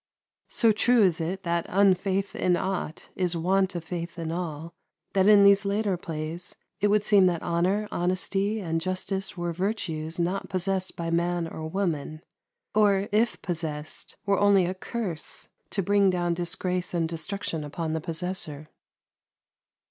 So true is it that "unfaith in aught is want of faith in all," that in these later plays it would seem that honour, honesty, and justice were virtues not possessed by man or woman; or, if possessed, were only a curse to bring down disgrace and destruction upon the possessor.